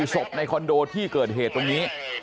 ศพในคอนโดที่เกิดเหตุตรงนี้